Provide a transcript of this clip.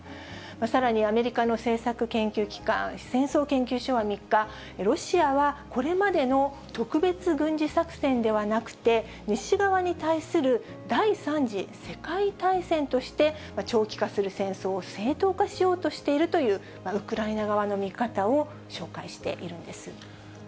さらにアメリカの政策研究機関、戦争研究所は３日、ロシアはこれまでの特別軍事作戦ではなくて、西側に対する第３次世界大戦として、長期化する戦争を正当化しようとしているという、ウクライナ側の見方を紹介しているんです。